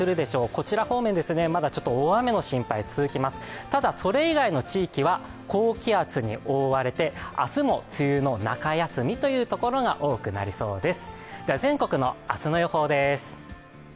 こちら方面、まだ大雨の心配が続きます、ただそれ以外の地域は高気圧に覆われて明日も梅雨の中休みというところが多くなりそうです。